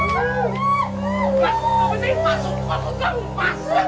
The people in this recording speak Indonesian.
masuk masuk masuk masuk